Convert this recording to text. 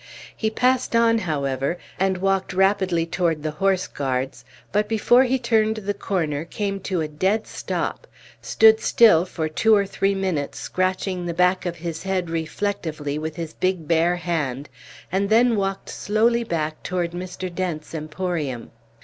He passed on, however, and walked rapidly toward the Horse Guards; but, before he turned the corner, came to a dead stop, stood still for two or three minutes scratching the back of his head reflectively with his big bare hand, and then walked slowly back toward Mr. Dent's emporium.